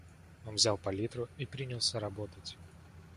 Он взял палитру и принялся работать.